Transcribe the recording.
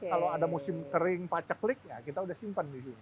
kalau ada musim kering paceklik ya kita sudah simpan di sini